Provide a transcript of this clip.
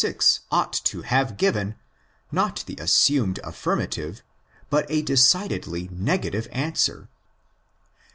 1 3) ought to have given, not the assumed affirmative, but a decidedly negative answer.